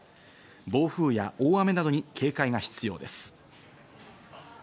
暴風や大雨などに警戒が必要です。